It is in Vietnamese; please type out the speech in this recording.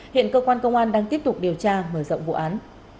hiện cơ quan công an đang tiếp tục điều tra mở rộng vụ án